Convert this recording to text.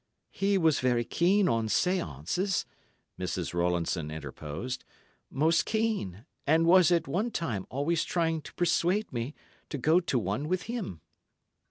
"He was very keen on séances," Mrs. Rowlandson interposed. "Most keen, and was at one time always trying to persuade me to go to one with him."